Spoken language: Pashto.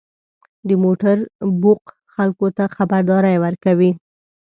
• د موټر بوق خلکو ته خبرداری ورکوي.